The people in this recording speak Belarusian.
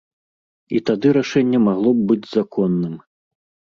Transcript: І тады рашэнне магло б быць законным.